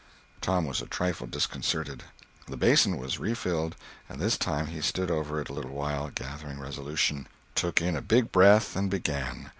Tom was a trifle disconcerted. The basin was refilled, and this time he stood over it a little while, gathering resolution; took in a big breath and began.